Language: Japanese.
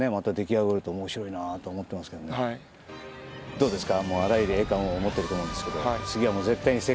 どうですか？